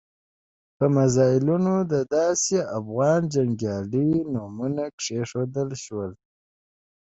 په میزایلونو د داسې افغان جنګیالیو نومونه کېښودل شول.